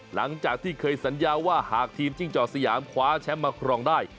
หลังจากที่เคยสัญญาว่าหากทีมจิ้งจอกสยามคว้าแชมป์มาครองได้